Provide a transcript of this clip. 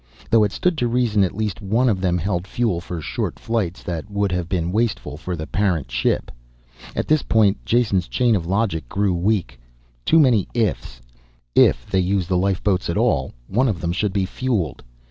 Though it stood to reason at least one of them held fuel for short flights that would have been wasteful for the parent ship. At this point Jason's chain of logic grew weak. Too many "ifs." If they used the lifeboats at all, one of them should be fueled.